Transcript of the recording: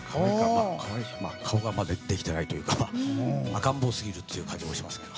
顔がまだできてないというか赤ん坊すぎる感じもしますけど。